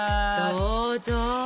どうぞ。